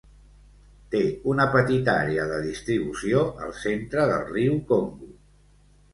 Té una petita àrea de distribució al centre del riu Congo.